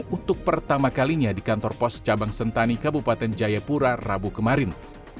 untuk pertama kalinya di kantor pos cabang sentani kabupaten jayapura rabu kemarin